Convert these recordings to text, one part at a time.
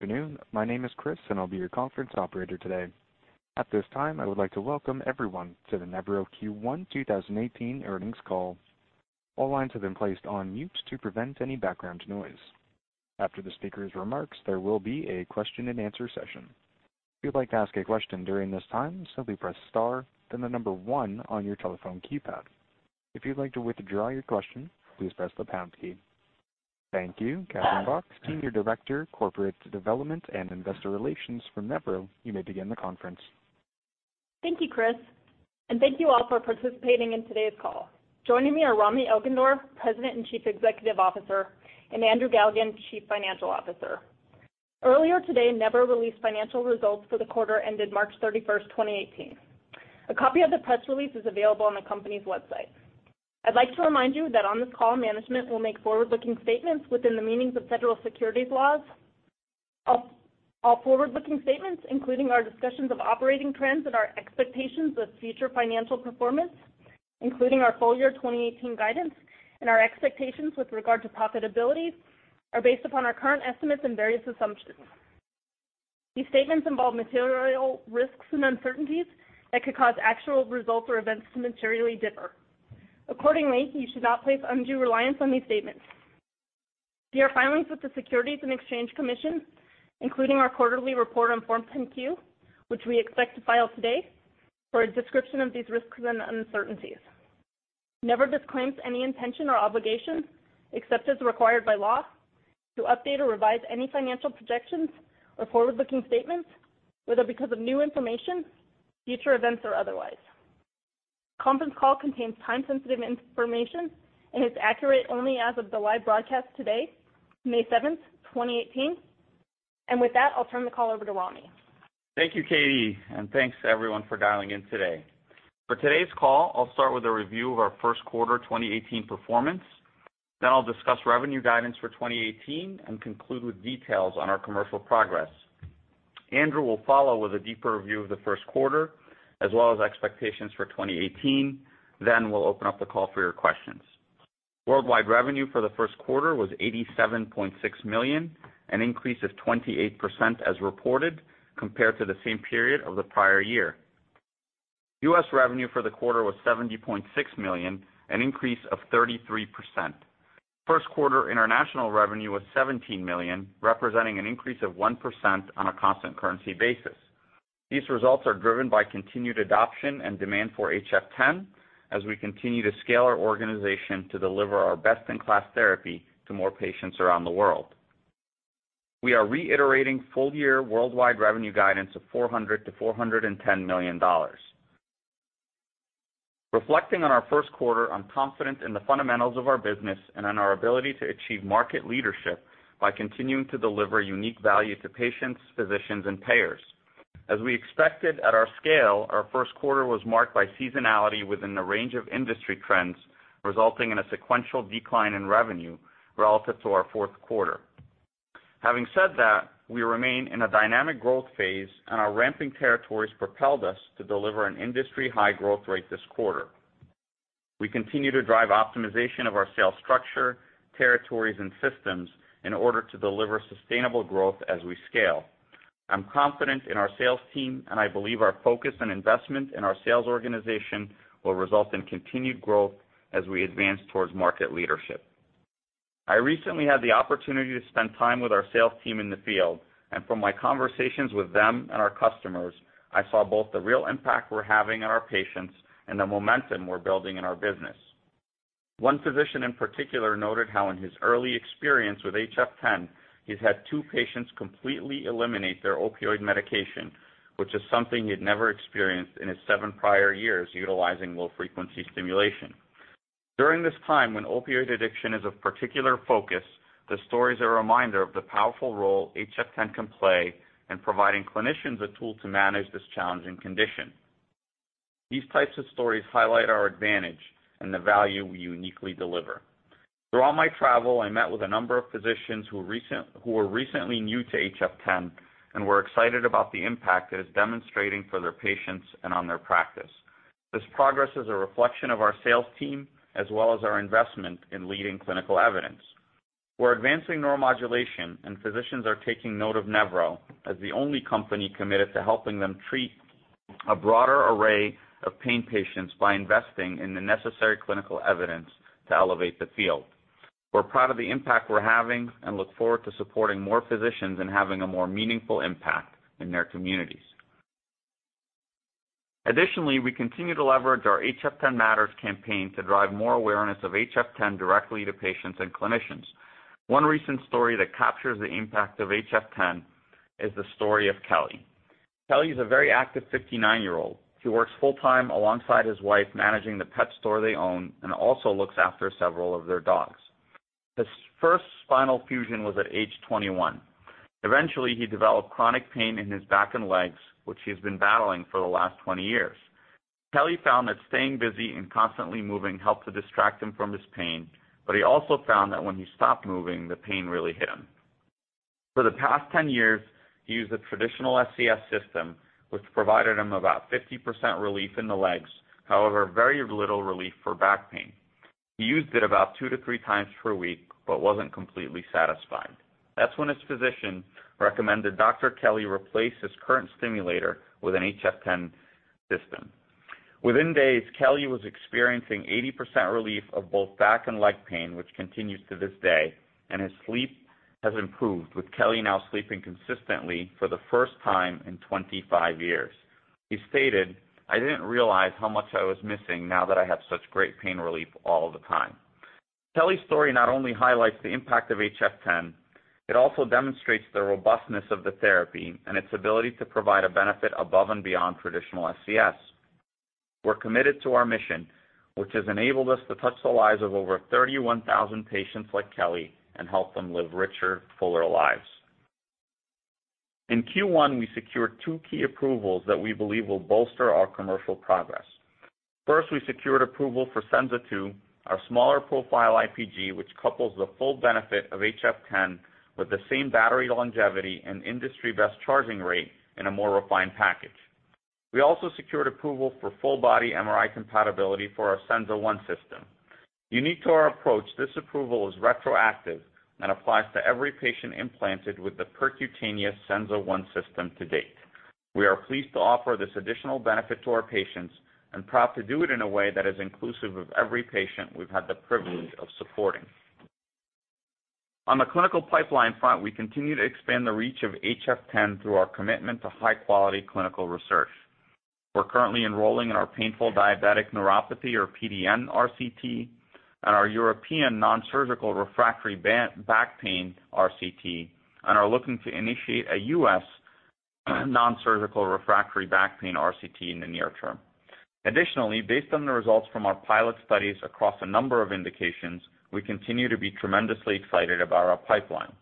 Good afternoon. My name is Chris, and I'll be your conference operator today. At this time, I would like to welcome everyone to the Nevro Q1 2018 earnings call. All lines have been placed on mute to prevent any background noise. After the speaker's remarks, there will be a question and answer session. If you'd like to ask a question during this time, simply press star, then the number one on your telephone keypad. If you'd like to withdraw your question, please press the pound key. Thank you. Katie Bock, senior director, corporate development and investor relations from Nevro, you may begin the conference. Thank you, Chris, and thank you all for participating in today's call. Joining me are Rami Elghandour, President and Chief Executive Officer, and Andrew Galligan, Chief Financial Officer. Earlier today, Nevro released financial results for the quarter ended March 31st, 2018. A copy of the press release is available on the company's website. I'd like to remind you that on this call, management will make forward-looking statements within the meanings of federal securities laws. All forward-looking statements, including our discussions of operating trends and our expectations of future financial performance, including our full year 2018 guidance and our expectations with regard to profitability, are based upon our current estimates and various assumptions. These statements involve material risks and uncertainties that could cause actual results or events to materially differ. Accordingly, you should not place undue reliance on these statements. Your filings with the Securities and Exchange Commission, including our quarterly report on Form 10-Q, which we expect to file today, for a description of these risks and uncertainties. Nevro disclaims any intention or obligation, except as required by law, to update or revise any financial projections or forward-looking statements, whether because of new information, future events, or otherwise. Conference call contains time-sensitive information and is accurate only as of the live broadcast today, May 7th, 2018. With that, I'll turn the call over to Rami. Thank you, Katie. Thanks to everyone for dialing in today. For today's call, I'll start with a review of our first quarter 2018 performance. I'll discuss revenue guidance for 2018 and conclude with details on our commercial progress. Andrew will follow with a deeper review of the first quarter, as well as expectations for 2018. We'll open up the call for your questions. Worldwide revenue for the first quarter was $87.6 million, an increase of 28% as reported, compared to the same period of the prior year. U.S. revenue for the quarter was $70.6 million, an increase of 33%. First quarter international revenue was $17 million, representing an increase of 1% on a constant currency basis. These results are driven by continued adoption and demand for HF10 as we continue to scale our organization to deliver our best-in-class therapy to more patients around the world. We are reiterating full year worldwide revenue guidance of $400 million-$410 million. Reflecting on our first quarter, I'm confident in the fundamentals of our business and in our ability to achieve market leadership by continuing to deliver unique value to patients, physicians, and payers. As we expected at our scale, our first quarter was marked by seasonality within the range of industry trends, resulting in a sequential decline in revenue relative to our fourth quarter. Having said that, we remain in a dynamic growth phase, and our ramping territories propelled us to deliver an industry high growth rate this quarter. We continue to drive optimization of our sales structure, territories, and systems in order to deliver sustainable growth as we scale. I'm confident in our sales team, and I believe our focus and investment in our sales organization will result in continued growth as we advance towards market leadership. I recently had the opportunity to spend time with our sales team in the field, and from my conversations with them and our customers, I saw both the real impact we're having on our patients and the momentum we're building in our business. One physician in particular noted how in his early experience with HF10, he's had two patients completely eliminate their opioid medication, which is something he'd never experienced in his seven prior years utilizing low-frequency stimulation. During this time when opioid addiction is of particular focus, the story is a reminder of the powerful role HF10 can play in providing clinicians a tool to manage this challenging condition. These types of stories highlight our advantage and the value we uniquely deliver. Throughout my travel, I met with a number of physicians who are recently new to HF10 and were excited about the impact it is demonstrating for their patients and on their practice. This progress is a reflection of our sales team as well as our investment in leading clinical evidence. We're advancing neuromodulation, and physicians are taking note of Nevro as the only company committed to helping them treat a broader array of pain patients by investing in the necessary clinical evidence to elevate the field. We're proud of the impact we're having and look forward to supporting more physicians in having a more meaningful impact in their communities. Additionally, we continue to leverage our HF10 Matters campaign to drive more awareness of HF10 directly to patients and clinicians. One recent story that captures the impact of HF10 is the story of Kelly. Kelly is a very active 59-year-old. He works full-time alongside his wife, managing the pet store they own and also looks after several of their dogs. His first spinal fusion was at age 21. Eventually, he developed chronic pain in his back and legs, which he's been battling for the last 20 years. Kelly found that staying busy and constantly moving helped to distract him from his pain. He also found that when he stopped moving, the pain really hit him. For the past 10 years, he used a traditional SCS system, which provided him about 50% relief in the legs, however, very little relief for back pain. He used it about two to three times per week but wasn't completely satisfied. That's when his physician recommended Dr. Kelly replace his current simulator with an HF10 system. Within days, Kelly was experiencing 80% relief of both back and leg pain, which continues to this day, and his sleep has improved, with Kelly now sleeping consistently for the first time in 25 years. He stated, "I didn't realize how much I was missing now that I have such great pain relief all the time." Kelly's story not only highlights the impact of HF10, it also demonstrates the robustness of the therapy and its ability to provide a benefit above and beyond traditional SCS. We're committed to our mission, which has enabled us to touch the lives of over 31,000 patients like Kelly and help them live richer, fuller lives. In Q1, we secured two key approvals that we believe will bolster our commercial progress. First, we secured approval for Senza II, our smaller profile IPG, which couples the full benefit of HF10 with the same battery longevity and industry-best charging rate in a more refined package. We also secured approval for full body MRI compatibility for our Senza I system. Unique to our approach, this approval is retroactive and applies to every patient implanted with the percutaneous Senza I system to date. We are pleased to offer this additional benefit to our patients and proud to do it in a way that is inclusive of every patient we've had the privilege of supporting. On the clinical pipeline front, we continue to expand the reach of HF10 through our commitment to high-quality clinical research. We're currently enrolling in our painful diabetic neuropathy, or PDN RCT, and our European nonsurgical refractory back pain RCT, and are looking to initiate a U.S. nonsurgical refractory back pain RCT in the near term. Based on the results from our pilot studies across a number of indications, we continue to be tremendously excited about our pipeline.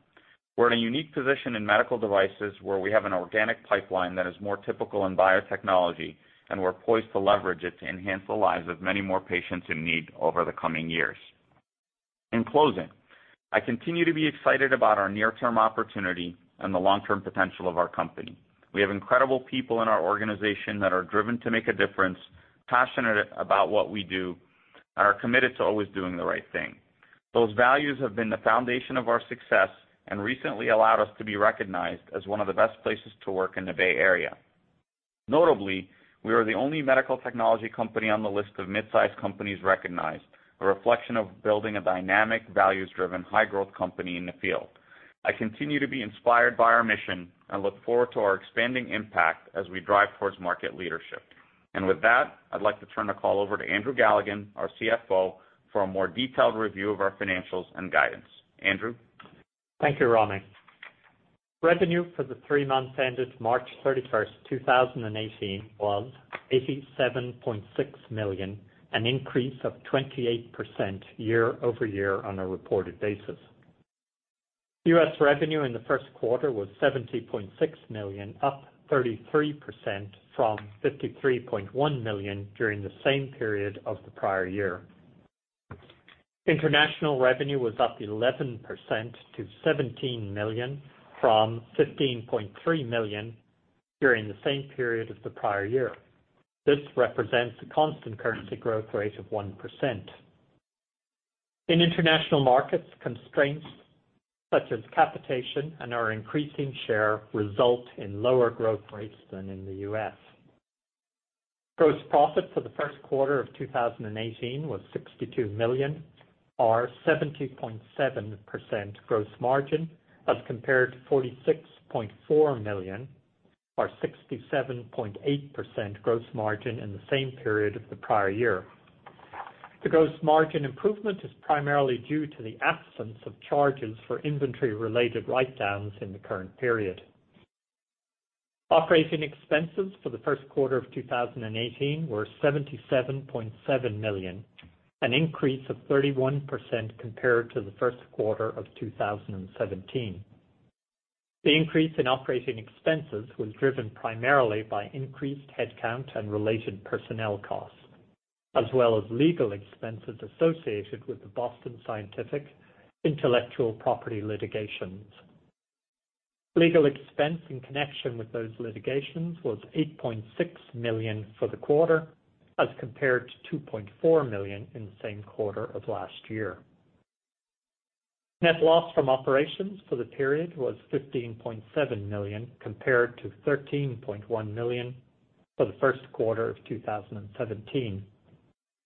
We're in a unique position in medical devices where we have an organic pipeline that is more typical in biotechnology, and we're poised to leverage it to enhance the lives of many more patients in need over the coming years. I continue to be excited about our near-term opportunity and the long-term potential of our company. We have incredible people in our organization that are driven to make a difference, passionate about what we do, and are committed to always doing the right thing. Those values have been the foundation of our success and recently allowed us to be recognized as one of the best places to work in the Bay Area. Notably, we are the only medical technology company on the list of mid-size companies recognized, a reflection of building a dynamic, values-driven, high-growth company in the field. I continue to be inspired by our mission and look forward to our expanding impact as we drive towards market leadership. With that, I'd like to turn the call over to Andrew Galligan, our CFO, for a more detailed review of our financials and guidance. Andrew? Thank you, Rami. Revenue for the three months ended March 31st, 2018 was $87.6 million, an increase of 28% year-over-year on a reported basis. U.S. revenue in the first quarter was $70.6 million, up 33% from $53.1 million during the same period of the prior year. International revenue was up 11% to $17 million from $15.3 million during the same period as the prior year. This represents a constant currency growth rate of 1%. In international markets, constraints such as capitation and our increasing share result in lower growth rates than in the U.S. Gross profit for the first quarter of 2018 was $62 million, or 70.7% gross margin, as compared to $46.4 million or 67.8% gross margin in the same period of the prior year. The gross margin improvement is primarily due to the absence of charges for inventory-related write-downs in the current period. Operating expenses for the first quarter of 2018 were $77.7 million, an increase of 31% compared to the first quarter of 2017. The increase in operating expenses was driven primarily by increased headcount and related personnel costs, as well as legal expenses associated with the Boston Scientific intellectual property litigations. Legal expense in connection with those litigations was $8.6 million for the quarter, as compared to $2.4 million in the same quarter of last year. Net loss from operations for the period was $15.7 million, compared to $13.1 million for the first quarter of 2017.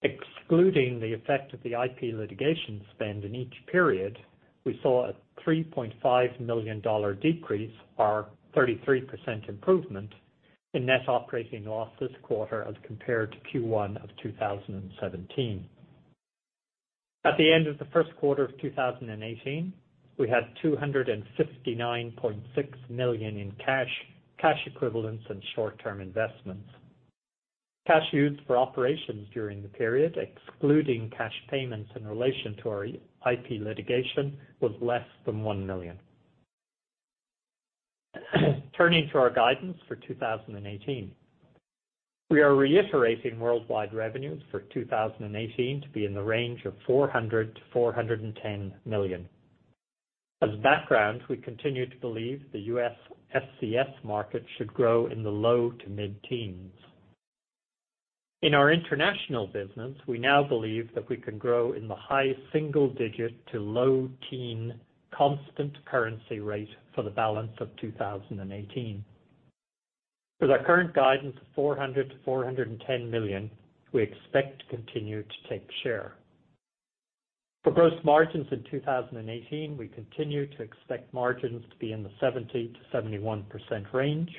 Excluding the effect of the IP litigation spend in each period, we saw a $3.5 million decrease or 33% improvement in net operating loss this quarter as compared to Q1 of 2017. At the end of the first quarter of 2018, we had $259.6 million in cash equivalents, and short-term investments. Cash used for operations during the period, excluding cash payments in relation to our IP litigation, was less than $1 million. Turning to our guidance for 2018. We are reiterating worldwide revenues for 2018 to be in the range of $400 million-$410 million. As background, we continue to believe the U.S. SCS market should grow in the low to mid-teens. In our international business, we now believe that we can grow in the high single digit to low teen constant currency rate for the balance of 2018. With our current guidance of $400 million-$410 million, we expect to continue to take share. For gross margins in 2018, we continue to expect margins to be in the 70%-71% range.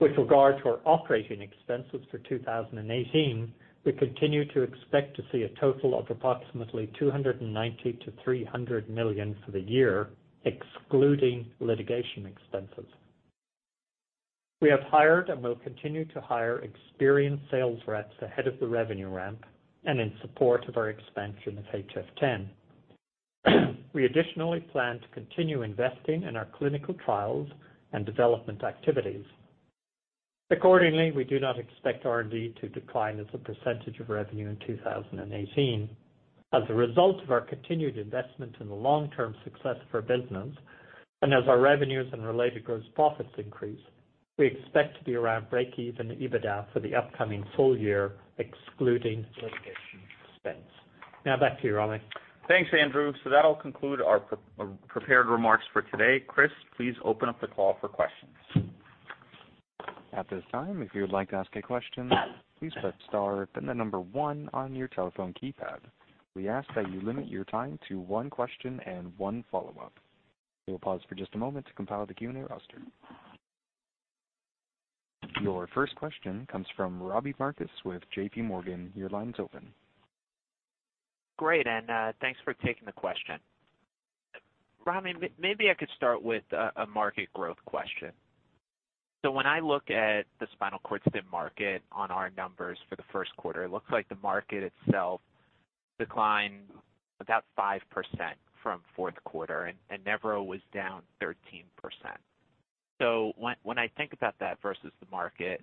With regard to our operating expenses for 2018, we continue to expect to see a total of approximately $290 million-$300 million for the year, excluding litigation expenses. We have hired and will continue to hire experienced sales reps ahead of the revenue ramp and in support of our expansion of HF10. We additionally plan to continue investing in our clinical trials and development activities. Accordingly, we do not expect R&D to decline as a percentage of revenue in 2018. As a result of our continued investment in the long-term success of our business, and as our revenues and related gross profits increase, we expect to be around breakeven EBITDA for the upcoming full year, excluding litigation expense. Now back to you, Rami. Thanks, Andrew. That'll conclude our prepared remarks for today. Chris, please open up the call for questions. At this time, if you would like to ask a question, please press star, then the number one on your telephone keypad. We ask that you limit your time to one question and one follow-up. We will pause for just a moment to compile the Q&A roster. Your first question comes from Robbie Marcus with J.P. Morgan. Your line's open. Great, thanks for taking the question. Rami, maybe I could start with a market growth question. When I look at the spinal cord stim market on our numbers for the first quarter, it looks like the market itself declined about 5% from fourth quarter, and Nevro was down 13%. When I think about that versus the market,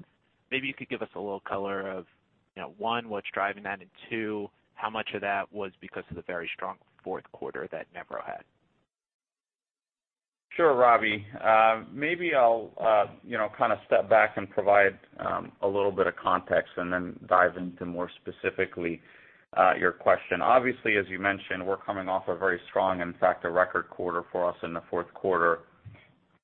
maybe you could give us a little color of, one, what's driving that, and two, how much of that was because of the very strong fourth quarter that Nevro had? Sure, Robbie. Maybe I'll step back and provide a little bit of context and then dive into more specifically your question. Obviously, as you mentioned, we're coming off a very strong, in fact, a record quarter for us in the fourth quarter.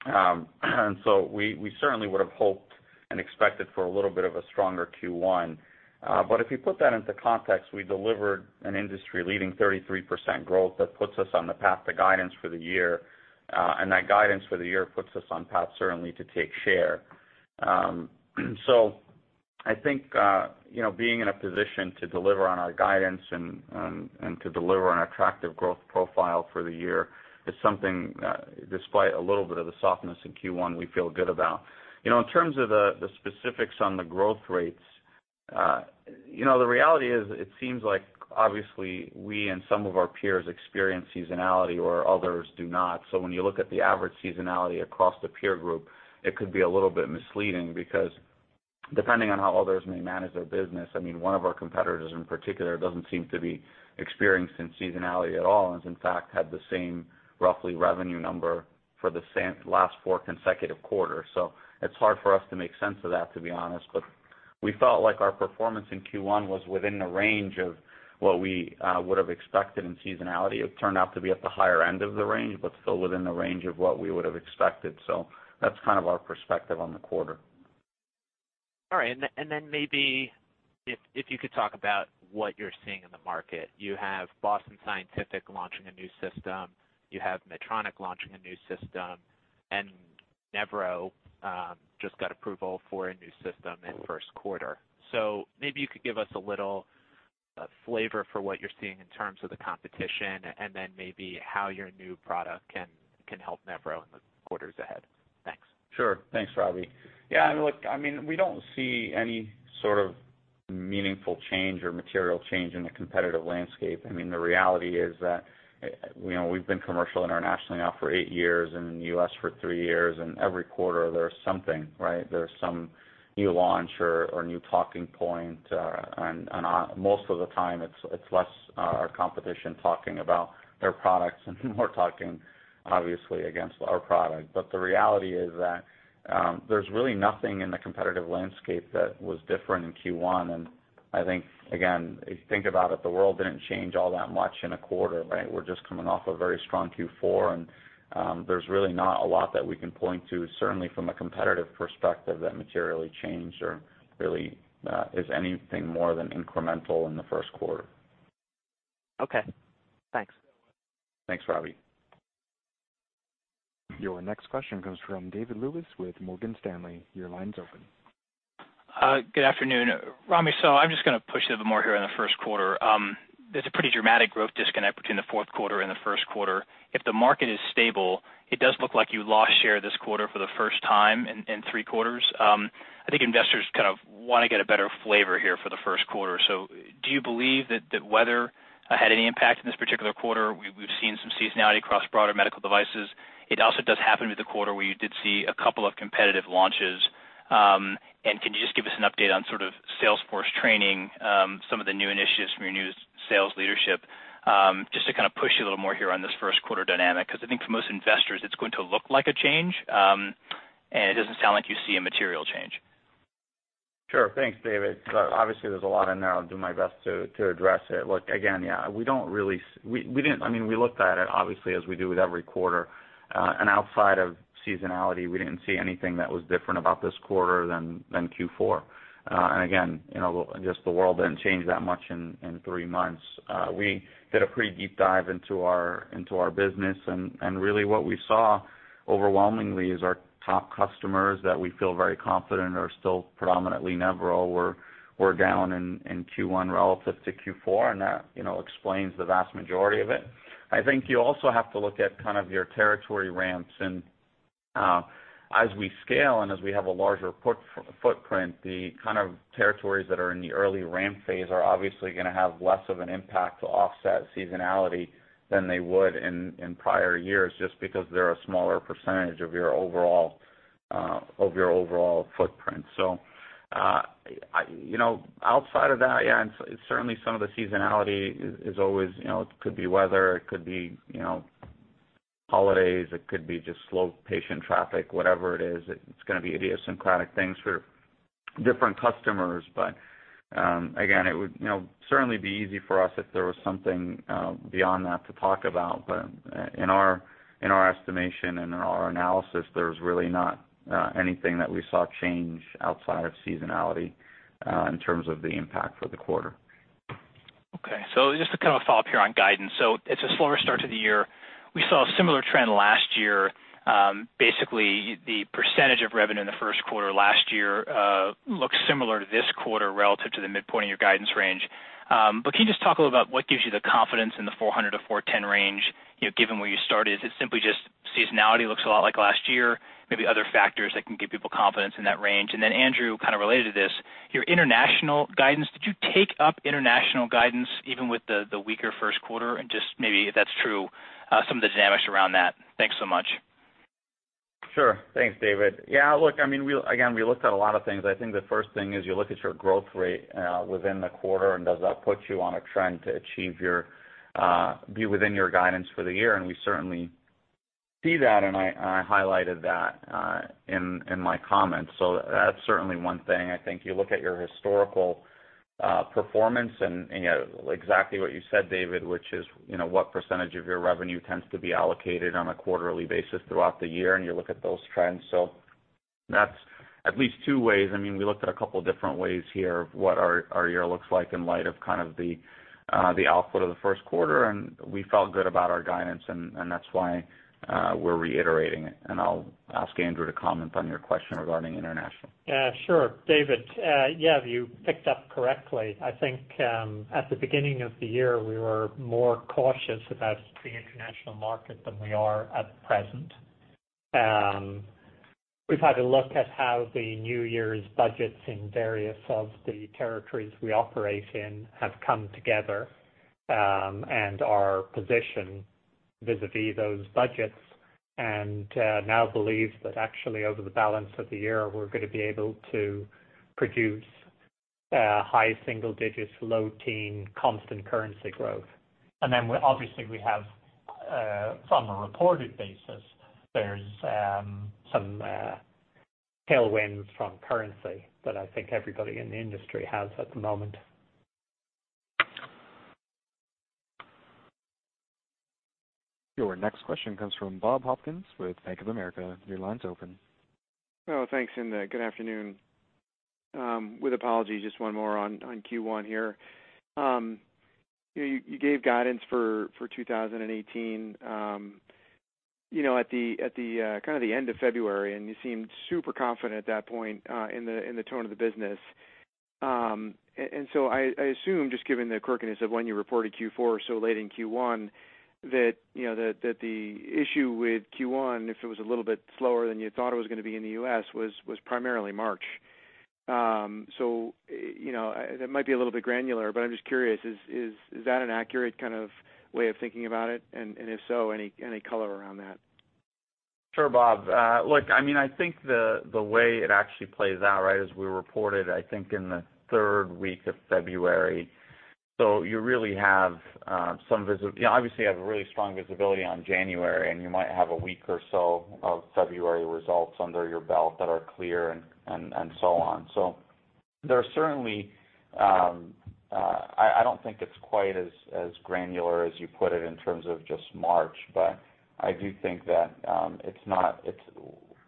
We certainly would've hoped and expected for a little bit of a stronger Q1. If you put that into context, we delivered an industry-leading 33% growth that puts us on the path to guidance for the year. That guidance for the year puts us on path certainly to take share. I think being in a position to deliver on our guidance and to deliver on attractive growth profile for the year is something, despite a little bit of the softness in Q1, we feel good about. In terms of the specifics on the growth rates, the reality is it seems like obviously we and some of our peers experience seasonality where others do not. When you look at the average seasonality across the peer group, it could be a little bit misleading because depending on how others may manage their business, one of our competitors in particular doesn't seem to be experiencing seasonality at all, and has in fact had the same roughly revenue number for the last four consecutive quarters. It's hard for us to make sense of that, to be honest. We felt like our performance in Q1 was within the range of what we would've expected in seasonality. It turned out to be at the higher end of the range, but still within the range of what we would've expected. That's our perspective on the quarter. All right. Maybe if you could talk about what you're seeing in the market. You have Boston Scientific launching a new system. You have Medtronic launching a new system, and Nevro just got approval for a new system in first quarter. Maybe you could give us a little flavor for what you're seeing in terms of the competition, and then maybe how your new product can help Nevro in the quarters ahead. Thanks. Sure. Thanks, Ravi. Look, we don't see any sort of meaningful change or material change in the competitive landscape. The reality is that we've been commercial internationally now for eight years, and in the U.S. for three years, every quarter there's something, right? There's some new launch or new talking point. Most of the time, it's less our competition talking about their products and more talking obviously against our product. The reality is that there's really nothing in the competitive landscape that was different in Q1. I think, again, if you think about it, the world didn't change all that much in a quarter, right? We're just coming off a very strong Q4, and there's really not a lot that we can point to, certainly from a competitive perspective, that materially changed or really is anything more than incremental in the first quarter. Okay. Thanks. Thanks, Ravi. Your next question comes from David Lewis with Morgan Stanley. Your line's open. Good afternoon. Rami, I'm just going to push a bit more here on the first quarter. There's a pretty dramatic growth disconnect between the fourth quarter and the first quarter. If the market is stable, it does look like you lost share this quarter for the first time in three quarters. I think investors kind of want to get a better flavor here for the first quarter. Do you believe that weather had any impact in this particular quarter? We've seen some seasonality across broader medical devices. It also does happen to be the quarter where you did see a couple of competitive launches. Can you just give us an update on sort of Salesforce training, some of the new initiatives from your new sales leadership, just to kind of push you a little more here on this first quarter dynamic, because I think for most investors, it's going to look like a change, and it doesn't sound like you see a material change. Sure. Thanks, David. Obviously, there's a lot in there. I'll do my best to address it. Look, again, yeah, we looked at it obviously, as we do with every quarter. Outside of seasonality, we didn't see anything that was different about this quarter than Q4. Again, just the world didn't change that much in three months. We did a pretty deep dive into our business, and really what we saw overwhelmingly is our top customers that we feel very confident are still predominantly Nevro, were down in Q1 relative to Q4, and that explains the vast majority of it. I think you also have to look at kind of your territory ramps. As we scale and as we have a larger footprint, the kind of territories that are in the early ramp phase are obviously going to have less of an impact to offset seasonality than they would in prior years, just because they're a smaller percentage of your overall footprint. Outside of that, yeah, and certainly some of the seasonality is always, it could be weather, it could be holidays, it could be just slow patient traffic, whatever it is, it's going to be idiosyncratic things for different customers. Again, it would certainly be easy for us if there was something beyond that to talk about. In our estimation and in our analysis, there's really not anything that we saw change outside of seasonality in terms of the impact for the quarter. Okay. Just to kind of follow up here on guidance. It's a slower start to the year. We saw a similar trend last year. Basically, the percentage of revenue in the first quarter last year looks similar to this quarter relative to the midpoint of your guidance range. Can you just talk a little about what gives you the confidence in the $400 million-$410 million range, given where you started? Is it simply just seasonality looks a lot like last year, maybe other factors that can give people confidence in that range? Then Andrew, kind of related to this, your international guidance, did you take up international guidance even with the weaker first quarter? Just maybe if that's true, some of the dynamics around that. Thanks so much. Sure. Thanks, David. Look, again, we looked at a lot of things. I think the first thing is you look at your growth rate within the quarter, and does that put you on a trend to be within your guidance for the year, and we certainly see that, and I highlighted that in my comments. That's certainly one thing. I think you look at your historical performance and exactly what you said, David, which is, what percentage of your revenue tends to be allocated on a quarterly basis throughout the year, and you look at those trends. That's at least two ways. We looked at a couple different ways here of what our year looks like in light of kind of the output of the first quarter, and we felt good about our guidance, and that's why we're reiterating it. I'll ask Andrew to comment on your question regarding international. Yeah, sure, David, you picked up correctly. I think at the beginning of the year, we were more cautious about the international market than we are at present. We've had a look at how the New Year's budgets in various of the territories we operate in have come together, and our position vis-à-vis those budgets, and now believe that actually over the balance of the year, we're going to be able to produce high single digits, low teen constant currency growth. Obviously we have, from a reported basis, there's some tailwinds from currency that I think everybody in the industry has at the moment. Your next question comes from Bob Hopkins with Bank of America. Your line's open. Thanks, and good afternoon. With apologies, just one more on Q1 here. You gave guidance for 2018 at the kind of the end of February, and you seemed super confident at that point in the tone of the business. I assume, just given the quirkiness of when you reported Q4 so late in Q1, that the issue with Q1, if it was a little bit slower than you thought it was going to be in the U.S., was primarily March. That might be a little bit granular, but I'm just curious, is that an accurate kind of way of thinking about it? If so, any color around that? Sure, Bob. Look, I think the way it actually plays out, as we reported, I think in the third week of February, you obviously have really strong visibility on January, and you might have one week or so of February results under your belt that are clear and so on. There are certainly I don't think it's quite as granular as you put it in terms of just March, but I do think that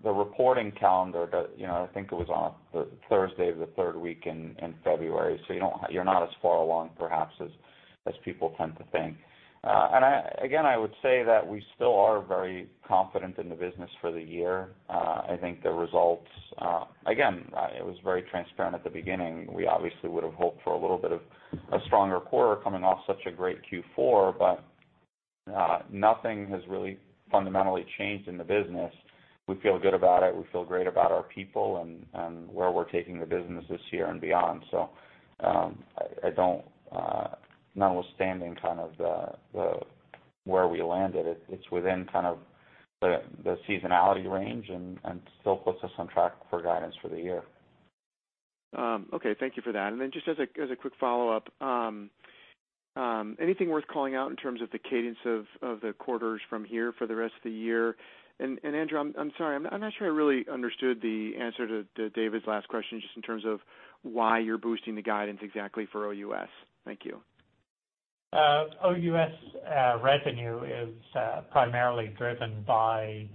the reporting calendar, I think it was on the Thursday of the third week in February, you're not as far along perhaps as people tend to think. Again, I would say that we still are very confident in the business for the year. I think the results, again, it was very transparent at the beginning. We obviously would've hoped for a little bit of a stronger quarter coming off such a great Q4, nothing has really fundamentally changed in the business. We feel good about it. We feel great about our people and where we're taking the business this year and beyond. Notwithstanding kind of the Where we landed. It's within kind of the seasonality range and still puts us on track for guidance for the year. Okay. Thank you for that. Just as a quick follow-up, anything worth calling out in terms of the cadence of the quarters from here for the rest of the year? Andrew, I'm sorry, I'm not sure I really understood the answer to David's last question, just in terms of why you're boosting the guidance exactly for OUS. Thank you. OUS revenue is primarily driven by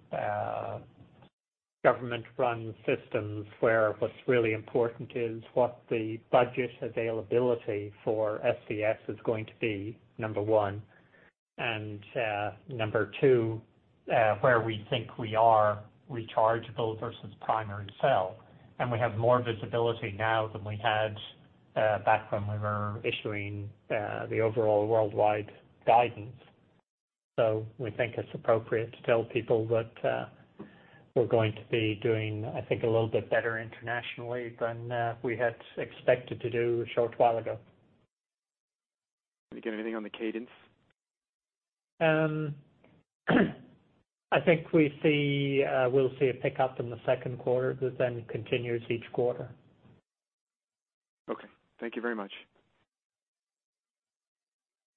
government-run systems, where what's really important is what the budget availability for SCS is going to be, number one. Number two, where we think we are rechargeable versus primary sale. We have more visibility now than we had back when we were issuing the overall worldwide guidance. We think it's appropriate to tell people that we're going to be doing, I think, a little bit better internationally than we had expected to do a short while ago. You got anything on the cadence? I think we'll see a pickup in the second quarter that then continues each quarter. Okay. Thank you very much.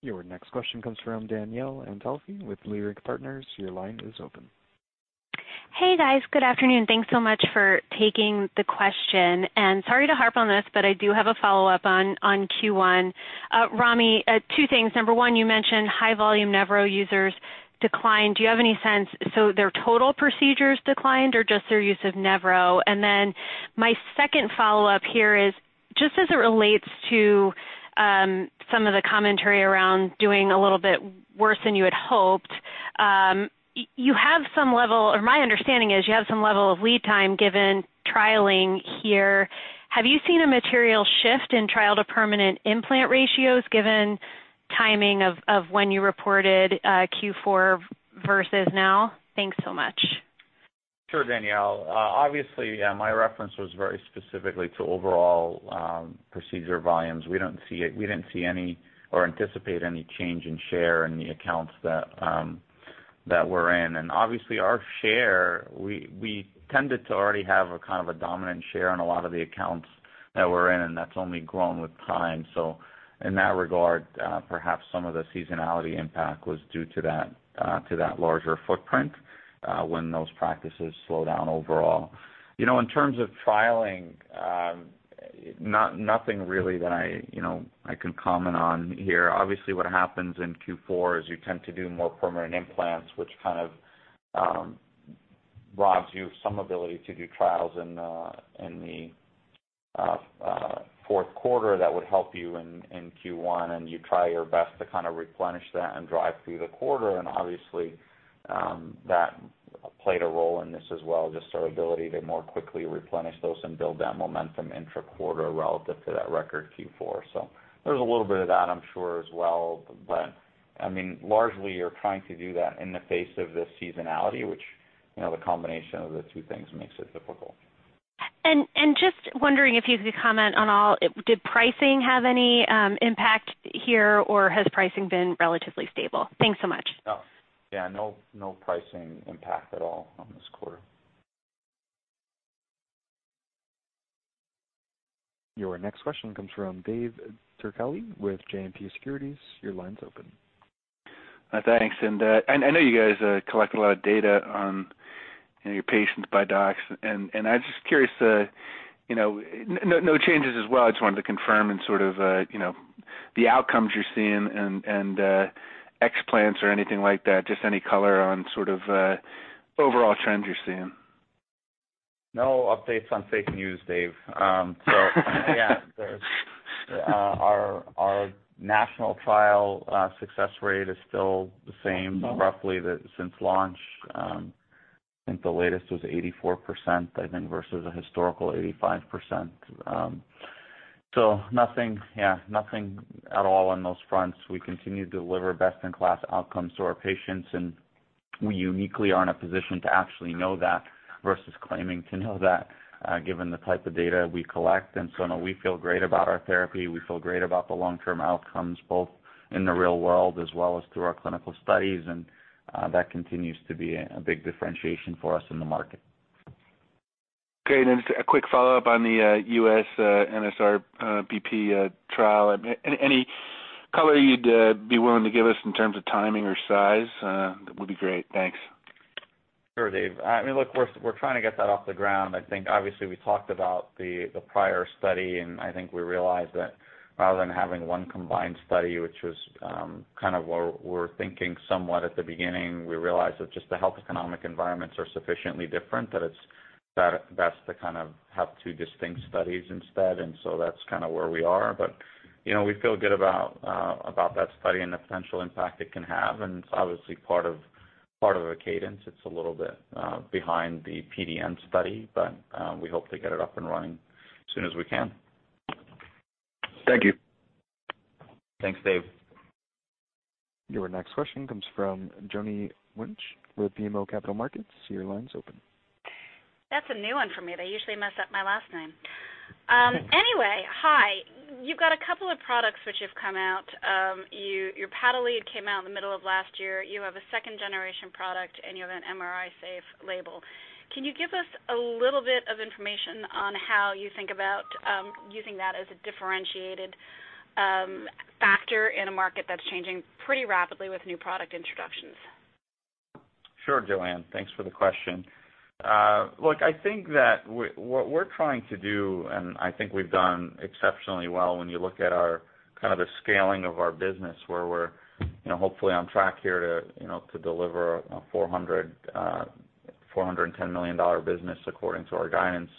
Your next question comes from Danielle Antalffy with Leerink Partners. Your line is open. Hey, guys. Good afternoon. Thanks so much for taking the question. Sorry to harp on this, but I do have a follow-up on Q1. Rami, two things. Number 1, you mentioned high volume Nevro users declined. Do you have any sense, their total procedures declined or just their use of Nevro? My second follow-up here is just as it relates to some of the commentary around doing a little bit worse than you had hoped. You have some level, or my understanding is you have some level of lead time given trialing here. Have you seen a material shift in trial to permanent implant ratios given timing of when you reported Q4 versus now? Thanks so much. Sure, Danielle. Obviously, my reference was very specifically to overall procedure volumes. We didn't see any or anticipate any change in share in the accounts that we're in. Obviously our share, we tended to already have a kind of a dominant share on a lot of the accounts that we're in, and that's only grown with time. In that regard, perhaps some of the seasonality impact was due to that larger footprint when those practices slow down overall. In terms of trialing, nothing really that I can comment on here. Obviously, what happens in Q4 is you tend to do more permanent implants, which kind of robs you of some ability to do trials in the fourth quarter that would help you in Q1. You try your best to kind of replenish that and drive through the quarter. Obviously, that played a role in this as well, just our ability to more quickly replenish those and build that momentum intra-quarter relative to that record Q4. There's a little bit of that, I'm sure as well, but largely you're trying to do that in the face of the seasonality, which the combination of the two things makes it difficult. Just wondering if you could comment on all, did pricing have any impact here or has pricing been relatively stable? Thanks so much. Yeah, no pricing impact at all on this quarter. Your next question comes from David Turkaly with JMP Securities. Your line's open. Thanks. I know you guys collect a lot of data on your patients by docs. I'm just curious, no changes as well, I just wanted to confirm in sort of the outcomes you're seeing and explants or anything like that, just any color on sort of overall trends you're seeing. No updates on fake news, Dave. Yeah, our national trial success rate is still the same roughly since launch. I think the latest was 84%, I think, versus a historical 85%. Nothing at all on those fronts. We continue to deliver best-in-class outcomes to our patients, and we uniquely are in a position to actually know that versus claiming to know that, given the type of data we collect. We feel great about our therapy. We feel great about the long-term outcomes, both in the real world as well as through our clinical studies, and that continues to be a big differentiation for us in the market. Great. Just a quick follow-up on the U.S. NSRBP trial. Any color you'd be willing to give us in terms of timing or size would be great. Thanks. Sure, Dave. Look, we're trying to get that off the ground. I think obviously we talked about the prior study, and I think we realized that rather than having one combined study, which was kind of where we were thinking somewhat at the beginning, we realized that just the health economic environments are sufficiently different that it's best to kind of have two distinct studies instead. That's kind of where we are. We feel good about that study and the potential impact it can have. It's obviously part of a cadence. It's a little bit behind the PDN study, we hope to get it up and running as soon as we can. Thank you. Thanks, Dave. Your next question comes from Joanne Wuensch with BMO Capital Markets. Your line's open That's a new one for me. They usually mess up my last name. Anyway, hi. You've got a couple of products which have come out. Your paddle lead came out in the middle of last year. You have a second-generation product, and you have an MRI safe label. Can you give us a little bit of information on how you think about using that as a differentiated factor in a market that's changing pretty rapidly with new product introductions? Sure, Joanne. Thanks for the question. Look, I think that what we're trying to do, and I think we've done exceptionally well when you look at the scaling of our business, where we're hopefully on track here to deliver a $410 million business according to our guidance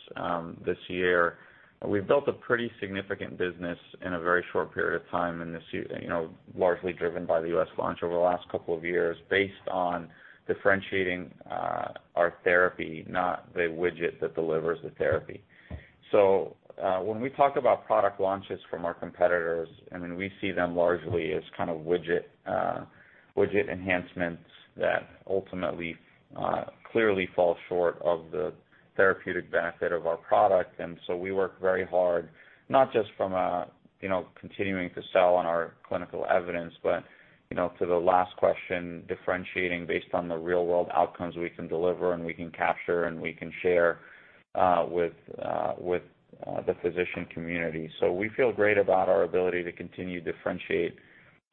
this year. We've built a pretty significant business in a very short period of time in this unit, largely driven by the U.S. launch over the last couple of years based on differentiating our therapy, not the widget that delivers the therapy. When we talk about product launches from our competitors, we see them largely as widget enhancements that ultimately clearly fall short of the therapeutic benefit of our product. We work very hard, not just from continuing to sell on our clinical evidence, but to the last question, differentiating based on the real-world outcomes we can deliver and we can capture and we can share with the physician community. We feel great about our ability to continue to differentiate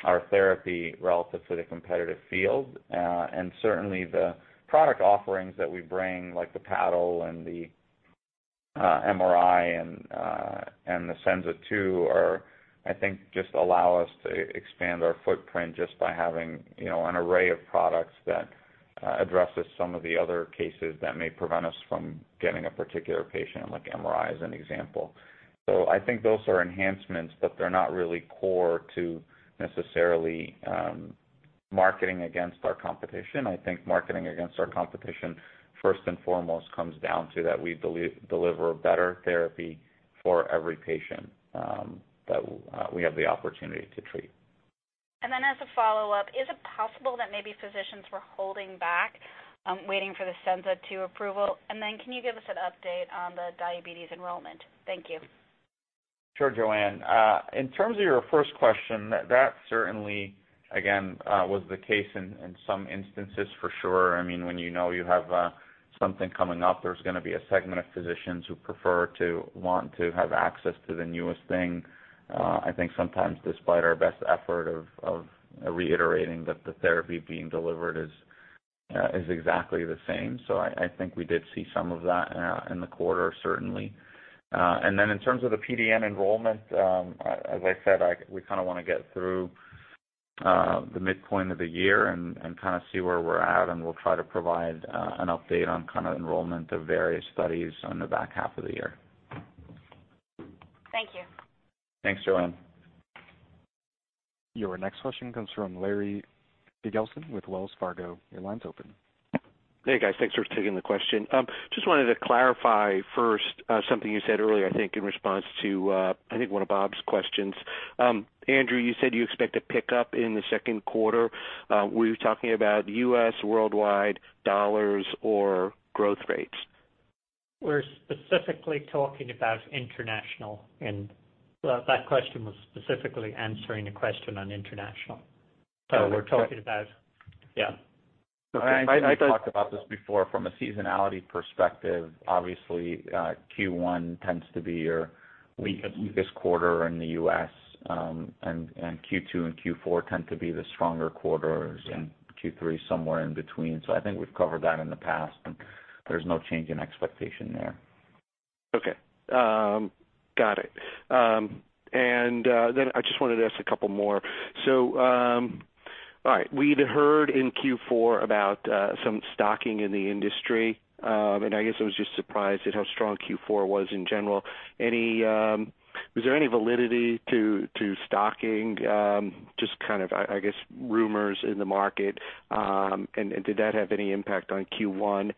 our therapy relative to the competitive field. Certainly the product offerings that we bring, like the paddle and the MRI and the Senza II, I think, just allow us to expand our footprint just by having an array of products that addresses some of the other cases that may prevent us from getting a particular patient, like MRI as an example. I think those are enhancements, but they're not really core to necessarily marketing against our competition. I think marketing against our competition, first and foremost, comes down to that we deliver better therapy for every patient that we have the opportunity to treat. As a follow-up, is it possible that maybe physicians were holding back, waiting for the Senza II approval? Can you give us an update on the diabetes enrollment? Thank you. Sure, Joanne. In terms of your first question, that certainly, again, was the case in some instances, for sure. When you know you have something coming up, there's going to be a segment of physicians who prefer to want to have access to the newest thing. I think sometimes despite our best effort of reiterating that the therapy being delivered is exactly the same. I think we did see some of that in the quarter, certainly. In terms of the PDN enrollment, as I said, we want to get through the midpoint of the year and see where we're at, and we'll try to provide an update on enrollment of various studies on the back half of the year. Thank you. Thanks, Joanne. Your next question comes from Larry Biegelsen with Wells Fargo. Your line's open. Hey, guys. Thanks for taking the question. Just wanted to clarify first something you said earlier, I think in response to one of Bob's questions. Andrew, you said you expect a pickup in the second quarter. Were you talking about U.S., worldwide, dollars, or growth rates? We're specifically talking about international. That question was specifically answering a question on international. Yeah. I think I talked about this before from a seasonality perspective. Obviously, Q1 tends to be your weakest quarter in the U.S. Q2 and Q4 tend to be the stronger quarters, and Q3 somewhere in between. I think we've covered that in the past, and there's no change in expectation there. Okay. Got it. I just wanted to ask a couple more. All right. We'd heard in Q4 about some stocking in the industry. I guess I was just surprised at how strong Q4 was in general. Was there any validity to stocking, just I guess, rumors in the market? Did that have any impact on Q1?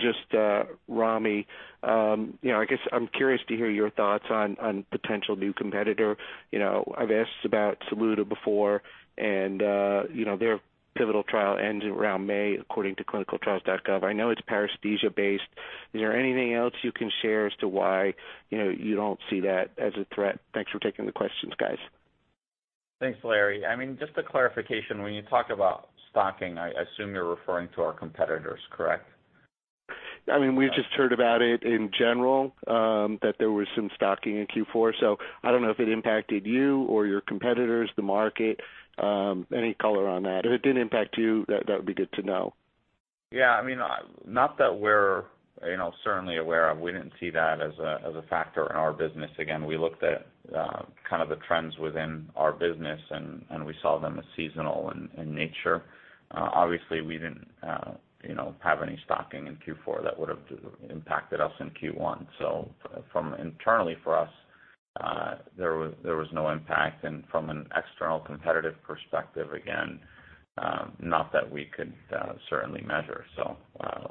Just Rami, I guess I'm curious to hear your thoughts on potential new competitor. I've asked about Saluda before, and their pivotal trial ends around May, according to clinicaltrials.gov. I know it's paresthesia based. Is there anything else you can share as to why you don't see that as a threat? Thanks for taking the questions, guys. Thanks, Larry. Just a clarification. When you talk about stocking, I assume you're referring to our competitors, correct? We've just heard about it in general, that there was some stocking in Q4. I don't know if it impacted you or your competitors, the market. Any color on that? If it did impact you, that would be good to know. Yeah. Not that we're certainly aware of. We didn't see that as a factor in our business. We looked at the trends within our business, and we saw them as seasonal in nature. Obviously, we didn't have any stocking in Q4 that would have impacted us in Q1. Internally for us, there was no impact. From an external competitive perspective, again, not that we could certainly measure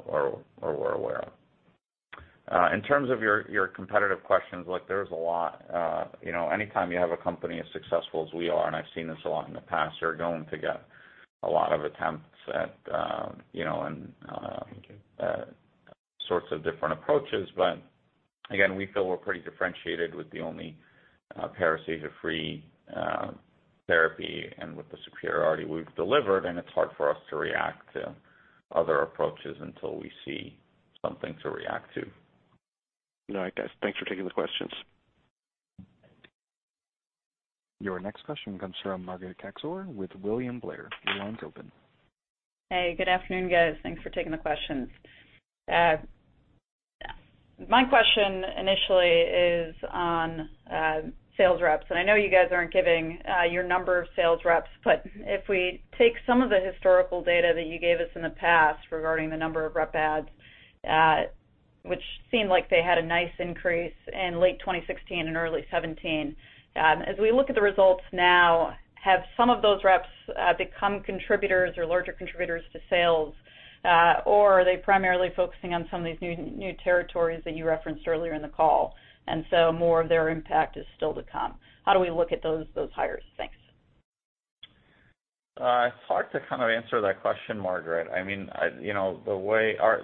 or were aware of. In terms of your competitive questions, look, there's a lot. Anytime you have a company as successful as we are, and I've seen this a lot in the past, you're going to get a lot of attempts at all sorts of different approaches. Again, we feel we're pretty differentiated with the only paresthesia-free therapy and with the superiority we've delivered, and it's hard for us to react to other approaches until we see something to react to. All right, guys. Thanks for taking the questions. Your next question comes from Margaret Kaczor with William Blair. Your line's open. Good afternoon, guys. Thanks for taking the questions. My question initially is on sales reps. I know you guys aren't giving your number of sales reps, but if we take some of the historical data that you gave us in the past regarding the number of rep adds, which seemed like they had a nice increase in late 2016 and early 2017. As we look at the results now, have some of those reps become contributors or larger contributors to sales? Are they primarily focusing on some of these new territories that you referenced earlier in the call, and so more of their impact is still to come? How do we look at those hires? Thanks. It's hard to kind of answer that question, Margaret.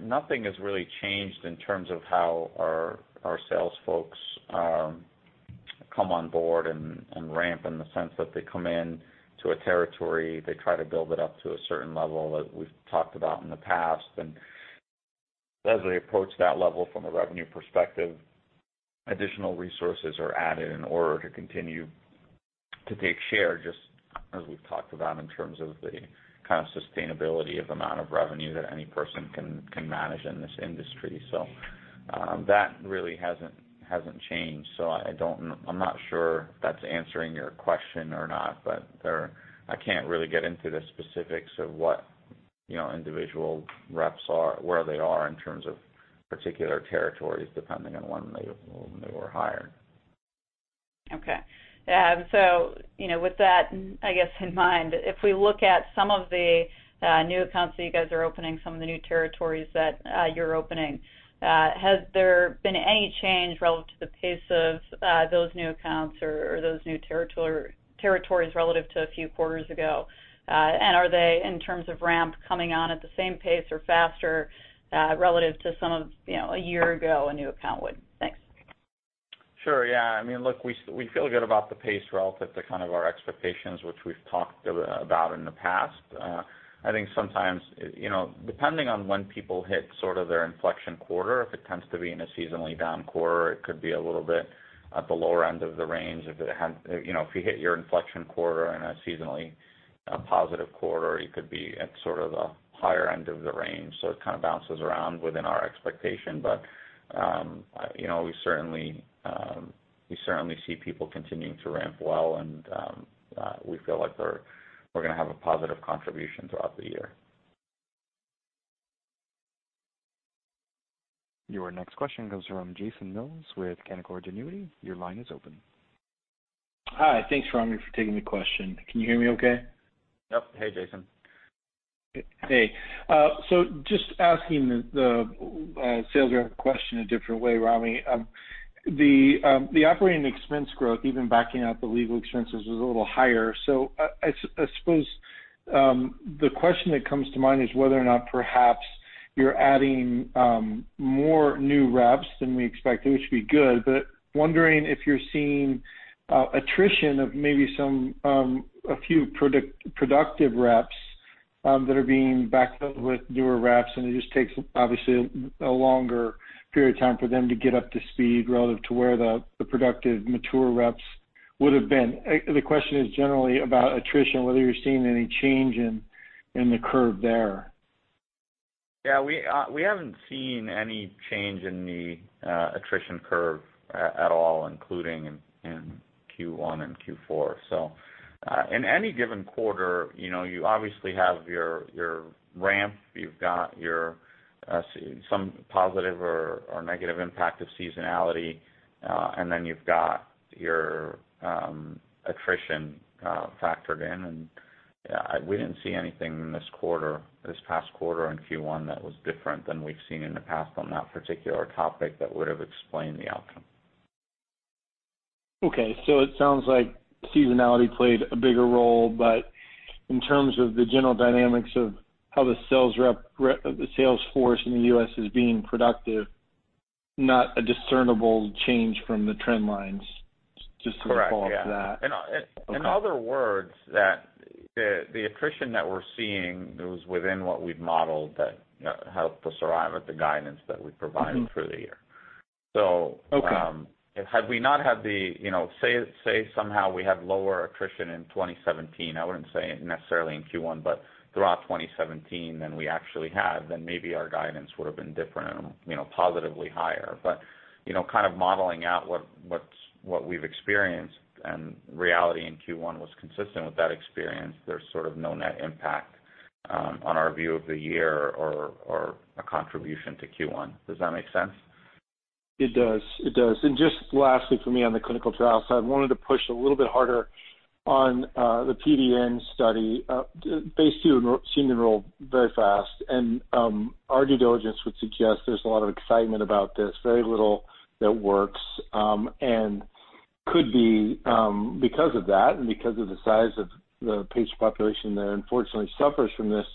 Nothing has really changed in terms of how our sales folks come on board and ramp in the sense that they come in to a territory, they try to build it up to a certain level that we've talked about in the past. As they approach that level from a revenue perspective, additional resources are added in order to continue to take share, just as we've talked about in terms of the kind of sustainability of amount of revenue that any person can manage in this industry. That really hasn't changed. I'm not sure if that's answering your question or not, but I can't really get into the specifics of what individual reps are, where they are in terms of particular territories, depending on when they were hired. Okay. With that in mind, if we look at some of the new accounts that you guys are opening, some of the new territories that you're opening, has there been any change relative to the pace of those new accounts or those new territories relative to a few quarters ago? Are they, in terms of ramp, coming on at the same pace or faster, relative to a year ago, a new account would? Thanks. Sure, yeah. Look, we feel good about the pace relative to our expectations, which we've talked about in the past. I think sometimes, depending on when people hit sort of their inflection quarter, if it tends to be in a seasonally down quarter, it could be a little bit at the lower end of the range. If you hit your inflection quarter in a seasonally positive quarter, you could be at sort of the higher end of the range. It kind of bounces around within our expectation. We certainly see people continuing to ramp well, and we feel like we're going to have a positive contribution throughout the year. Your next question comes from Jason Mills with Canaccord Genuity. Your line is open. Hi. Thanks, Rami, for taking the question. Can you hear me okay? Yep. Hey, Jason. Hey. Just asking the sales rep question a different way, Rami. The operating expense growth, even backing out the legal expenses, was a little higher. I suppose, the question that comes to mind is whether or not perhaps you're adding more new reps than we expected, which would be good. Wondering if you're seeing attrition of maybe a few productive reps that are being backed up with newer reps, and it just takes, obviously, a longer period of time for them to get up to speed relative to where the productive mature reps would've been. The question is generally about attrition, whether you're seeing any change in the curve there. Yeah, we haven't seen any change in the attrition curve at all, including in Q1 and Q4. In any given quarter, you obviously have your ramp, you've got some positive or negative impact of seasonality, and then you've got your attrition factored in, and we didn't see anything in this past quarter in Q1 that was different than we've seen in the past on that particular topic that would've explained the outcome. Okay. It sounds like seasonality played a bigger role, but in terms of the general dynamics of how the salesforce in the U.S. is being productive, not a discernible change from the trend lines. Just to follow up to that. Correct. Yeah. Okay. In other words, the attrition that we're seeing was within what we've modeled that helped us arrive at the guidance that we provided for the year. Okay. Had we not had say somehow we had lower attrition in 2017, I wouldn't say necessarily in Q1, but throughout 2017 than we actually had, then maybe our guidance would've been different and positively higher. Kind of modeling out what we've experienced and reality in Q1 was consistent with that experience. There's sort of no net impact on our view of the year or a contribution to Q1. Does that make sense? It does. Just lastly for me on the clinical trial side, I wanted to push a little bit harder on the PDN study, phase II seemed to enroll very fast, and our due diligence would suggest there's a lot of excitement about this. Very little that works, and could be because of that, and because of the size of the patient population that unfortunately suffers from this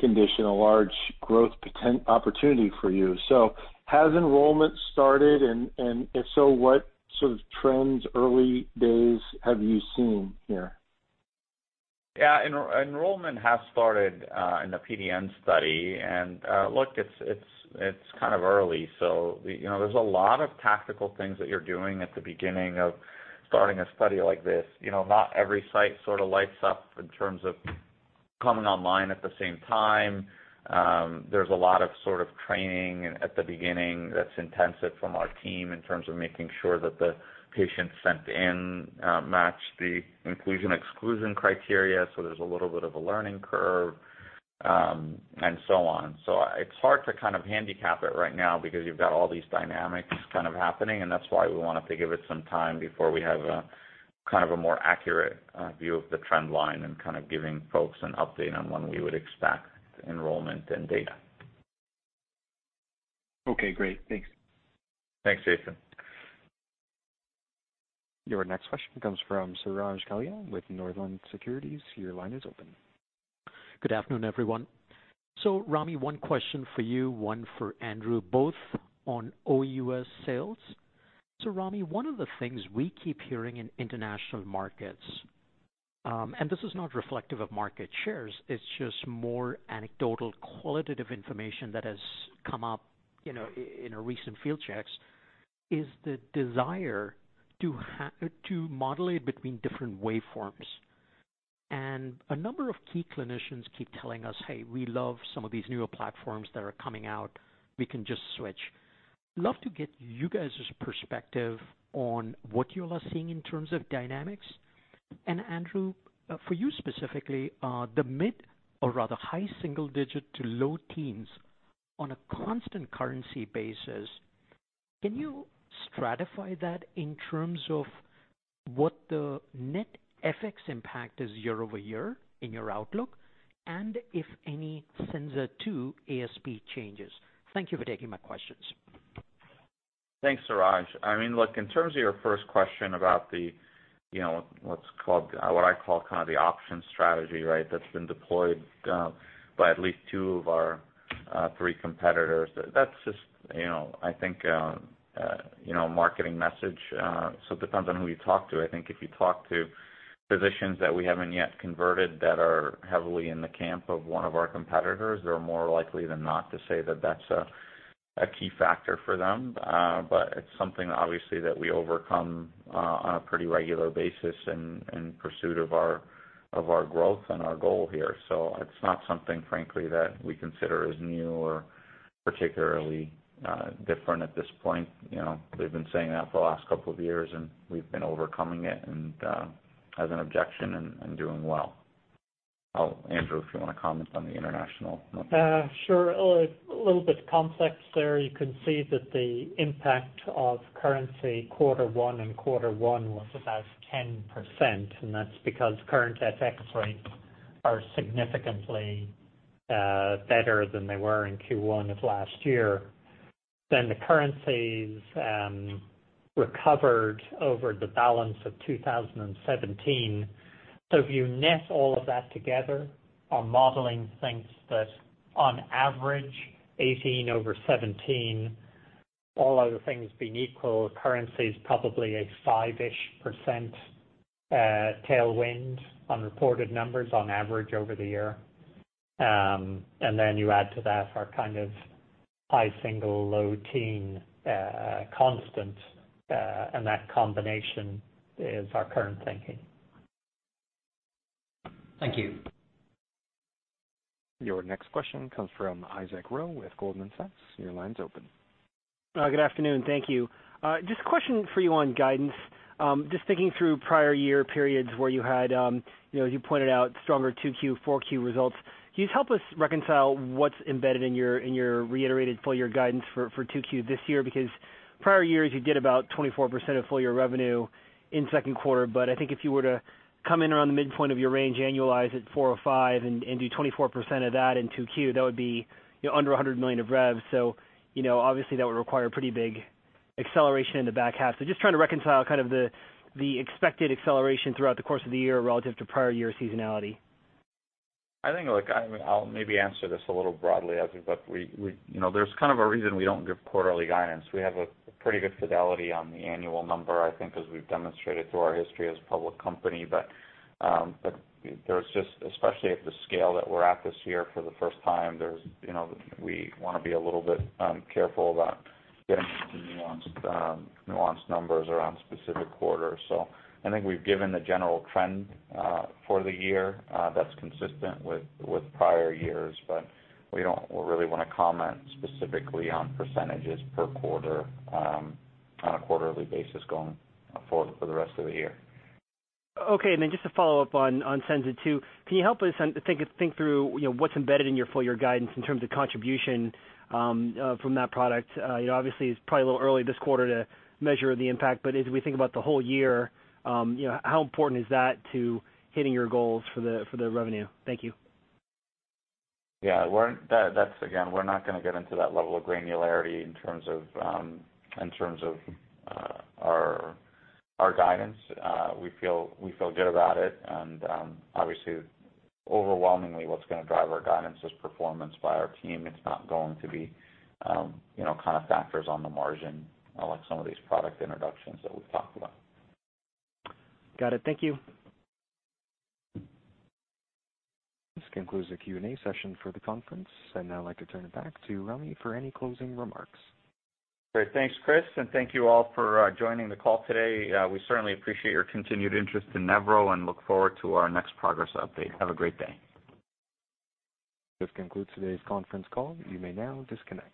condition, a large growth opportunity for you. Has enrollment started and, if so, what sort of trends early days have you seen here? Yeah. Enrollment has started in the PDN study. Look, it's early, there's a lot of tactical things that you're doing at the beginning of starting a study like this. Not every site sort of lights up in terms of coming online at the same time. There's a lot of training at the beginning that's intensive from our team in terms of making sure that the patients sent in match the inclusion/exclusion criteria, there's a little bit of a learning curve, and so on. It's hard to kind of handicap it right now because you've got all these dynamics happening, and that's why we wanted to give it some time before we have a more accurate view of the trend line and giving folks an update on when we would expect enrollment and data. Okay, great. Thanks. Thanks, Jason. Your next question comes from Suraj Kalia with Northland Securities. Your line is open. Good afternoon, everyone. Rami, one question for you, one for Andrew, both on OUS sales. Rami, one of the things we keep hearing in international markets, and this is not reflective of market shares, it's just more anecdotal, qualitative information that has come up in our recent field checks, is the desire to modulate between different waveforms. A number of key clinicians keep telling us, "Hey, we love some of these newer platforms that are coming out. We can just switch." Love to get you guys' perspective on what you all are seeing in terms of dynamics. Andrew, for you specifically, the mid or rather high single-digit to low teens on a constant currency basis, can you stratify that in terms of what the net effects impact is year-over-year in your outlook, and if any Senza II ASP changes? Thank you for taking my questions. Thanks, Suraj. Look, in terms of your first question about what I call the option strategy that's been deployed by at least two of our three competitors, that's just, I think, a marketing message. It depends on who you talk to. I think if you talk to physicians that we haven't yet converted that are heavily in the camp of one of our competitors, they're more likely than not to say that that's a key factor for them. It's something obviously that we overcome on a pretty regular basis in pursuit of our growth and our goal here. It's not something, frankly, that we consider as new or particularly different at this point. They've been saying that for the last couple of years, and we've been overcoming it as an objection and doing well. Andrew, if you want to comment on the international note. Sure. A little bit complex there. You can see that the impact of currency quarter one and quarter one was about 10%, and that's because current FX rates are significantly better than they were in Q1 of last year. The currencies recovered over the balance of 2017. If you net all of that together, our modeling thinks that on average, 2018 over 2017, all other things being equal, currency's probably a five-ish% tailwind on reported numbers on average over the year. You add to that our high single, low teen constant, and that combination is our current thinking. Thank you. Your next question comes from Isaac Ro with Goldman Sachs. Your line's open. Good afternoon. Thank you. Just a question for you on guidance. Just thinking through prior year periods where you had, as you pointed out, stronger 2Q, 4Q results. Can you just help us reconcile what's embedded in your reiterated full-year guidance for 2Q this year? Because prior years, you did about 24% of full-year revenue in second quarter, but I think if you were to come in around the midpoint of your range, annualize it 405 million and do 24% of that in 2Q, that would be under $100 million of rev. Obviously, that would require a pretty big acceleration in the back half. Just trying to reconcile kind of the expected acceleration throughout the course of the year relative to prior year seasonality. I think, look, I'll maybe answer this a little broadly, Isaac, but there's kind of a reason we don't give quarterly guidance. We have a pretty good fidelity on the annual number, I think, as we've demonstrated through our history as a public company. There's just, especially at the scale that we're at this year for the first time, we want to be a little bit careful about getting into nuanced numbers around specific quarters. I think we've given the general trend for the year that's consistent with prior years, but we don't really want to comment specifically on % per quarter on a quarterly basis going forward for the rest of the year. Okay. Just to follow up on Senza II, can you help us think through what's embedded in your full-year guidance in terms of contribution from that product? Obviously, it's probably a little early this quarter to measure the impact, but as we think about the whole year, how important is that to hitting your goals for the revenue? Thank you. Yeah. Again, we're not going to get into that level of granularity in terms of our guidance. We feel good about it, and obviously overwhelmingly what's going to drive our guidance is performance by our team. It's not going to be factors on the margin, like some of these product introductions that we've talked about. Got it. Thank you. This concludes the Q&A session for the conference. I'd now like to turn it back to Rami for any closing remarks. Great. Thanks, Chris, and thank you all for joining the call today. We certainly appreciate your continued interest in Nevro and look forward to our next progress update. Have a great day. This concludes today's conference call. You may now disconnect.